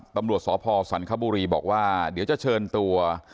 ตำรวจสพสันคบุรีบอกว่าเดี๋ยวจะเชิญตัว